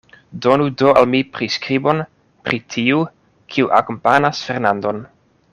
Donu do al mi priskribon pri tiu, kiu akompanas Fernandon.